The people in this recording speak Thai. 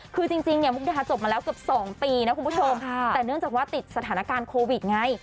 คือจริงเนี่ยมุกดาจบมาแล้วเกือบ๒ปีนะคุณผู้ชมแต่เนื่องจากว่าติดสถานการณ์โควิดไง